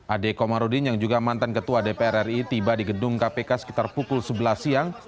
ade komarudin yang juga mantan ketua dpr ri tiba di gedung kpk sekitar pukul sebelas siang